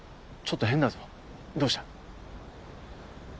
ちょっと変だぞどうした？